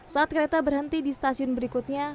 saat kereta berhenti di stasiun berikutnya